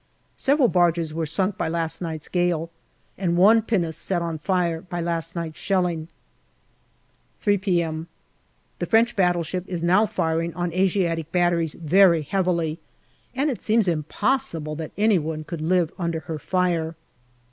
Several barges were sunk by last night's gale, and one pinnace set on fire by last night's shelling. 3 p.m. The French battleship is now firing on Asiatic batteries very heavily, and it seems impossible that any one could live under her fire.